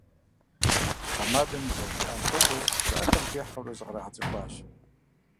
Тхьэмадэм зэрыжиӀам хуэдэу, пщыӀэхэм техьэурэ закъригъэцӀыхуащ.